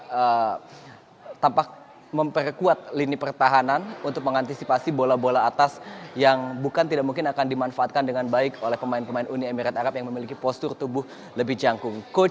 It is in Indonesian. dan juga tampak memperkuat lini pertahanan untuk mengantisipasi bola bola atas yang bukan tidak mungkin akan dimanfaatkan dengan baik oleh pemain pemain uni emirat arab yang memiliki postur tubuh lebih jangkung